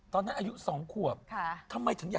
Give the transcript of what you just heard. ตอนนั้นอายุสองขวบทำไมถึงอยากจะได้